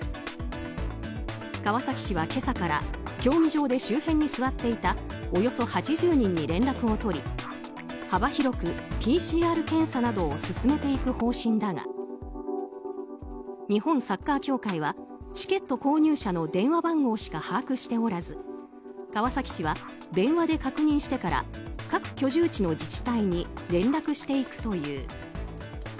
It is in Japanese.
川崎市は今朝から競技場で周辺に座っていたおよそ８０人に連絡を取り幅広くＰＣＲ検査などを進めていく方針だが日本サッカー協会はチケット購入者の電話番号しか把握しておらず川崎市は電話で確認してから各居住地の自治体に連絡していくという。